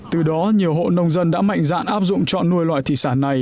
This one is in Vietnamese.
từ đó nhiều hộ nông dân đã mạnh dạn áp dụng chọn nuôi loài thủy sản này